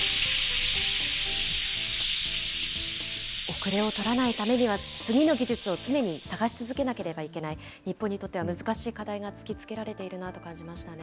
後れを取らないためには、次の技術を常に探し続けなければいけない、日本にとっては難しい課題が突きつけられているなと感じましたね。